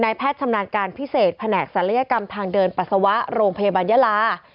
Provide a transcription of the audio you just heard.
แพทย์ชำนาญการพิเศษแผนกศัลยกรรมทางเดินปัสสาวะโรงพยาบาลยาลา